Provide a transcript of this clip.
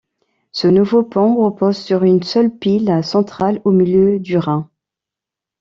Ce nouveau pont repose sur une seule pile centrale au milieu du Rhin.